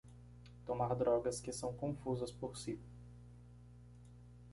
Tomar drogas que são confusas por si